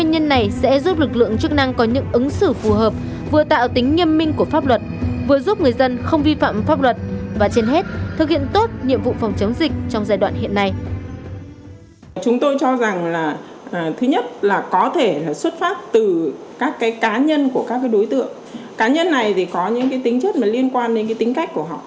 cá nhân này thì có những tính chất liên quan đến tính cách của họ